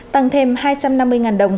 tăng thêm hai trăm năm mươi đồng